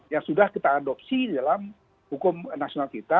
yang sudah kita adopsi dalam hukum nasional kita